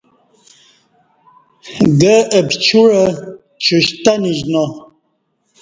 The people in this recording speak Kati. گہ اہ پچوعہ چشتہ نشنا